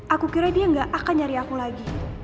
aku kira dia gak akan nyari aku lagi